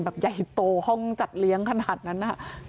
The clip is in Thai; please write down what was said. แบบใหญ่โตห้องจัดเลี้ยงขนาดนั้น